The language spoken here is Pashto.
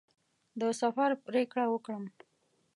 د سفر پرېکړه وکړم.